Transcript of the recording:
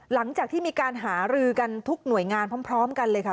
หลังจากที่มีการหารือกันทุกหน่วยงานพร้อมกันเลยค่ะ